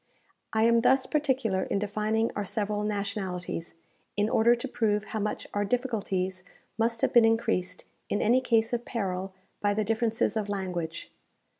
I am thus particular in defining our several nationalities, in order to prove how much our difficulties must have been increased, in any case of peril, by the differences of language.